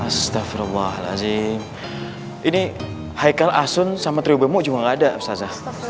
astagfirullahaladzim ini haikal asun sama tribu mu juga enggak ada ustazah